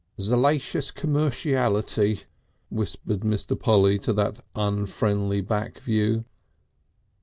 "Zealacious commerciality," whispered Mr. Polly to that unfriendly back view....